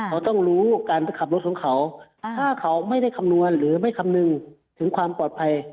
เขาต้องรู้การขับรถของเขาถ้าเขาไม่ได้คำนวณหรือไม่คำนึงถึงความปลอดภัย